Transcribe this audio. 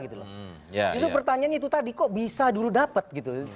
jadi pertanyaannya itu tadi kok bisa dulu dapat